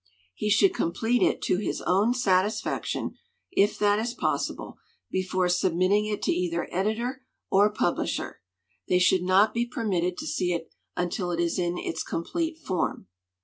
He should complete it to his own satisfaction if that is possible before submitting it to either editor or publisher. They should not be permitted to see it until it is in its complete form."